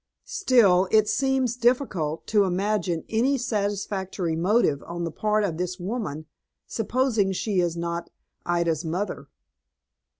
"Still, it seems difficult to imagine any satisfactory motive on the part of this woman, supposing she is not Ida's mother."